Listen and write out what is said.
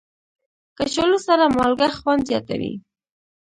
کچالو سره مالګه خوند زیاتوي